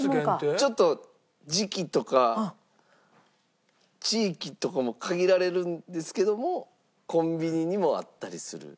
ちょっと時期とか地域とかも限られるんですけどもコンビニにもあったりする。